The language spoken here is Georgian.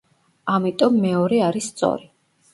ამიტომ მეორე არის სწორი.